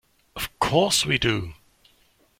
Of course we do.